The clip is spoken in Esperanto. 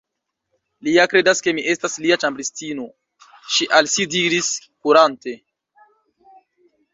"Li ja kredas ke mi estas lia ĉambristino," ŝi al si diris, kurante.